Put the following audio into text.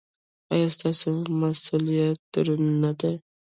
ایا ستاسو مسؤلیت دروند نه دی؟